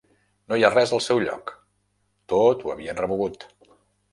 No hi ha res al seu lloc: tot ho havien remogut.